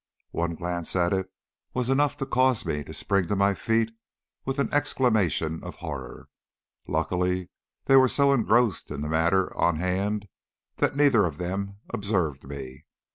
One glance at it was enough to cause me to spring to my feet with an exclamation of horror. Luckily they were so engrossed in the matter on hand that neither of them observed me.